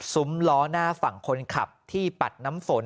ล้อหน้าฝั่งคนขับที่ปัดน้ำฝน